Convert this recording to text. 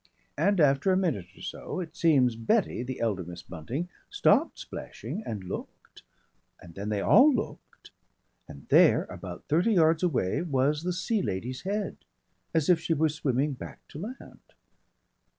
And after a minute or so, it seems Betty, the elder Miss Bunting, stopped splashing and looked, and then they all looked, and there, about thirty yards away was the Sea Lady's head, as if she were swimming back to land.